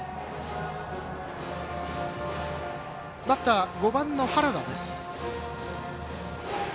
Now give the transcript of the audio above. バッター５番の原田です。